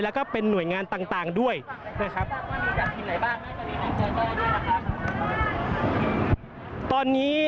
แล้วก็เป็นหน่วยงานต่างด้วยนะครับ